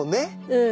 うん。